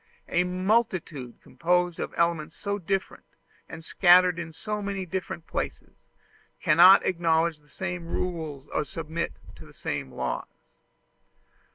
A multitude composed of elements so different, and scattered in so many different places, cannot acknowledge the same rules or submit to the same laws.